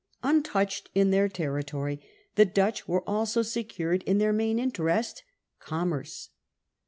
Untouched in their territory, the Dutch were also secured in their main interest, commerce.